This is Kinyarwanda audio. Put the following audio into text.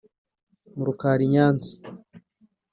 mu Rukari i Nyanza